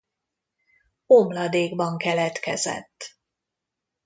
Omladékban keletkezett.